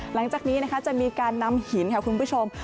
หลังจากนี้นะคะจะมีการนำหินค่ะคุณผู้ชม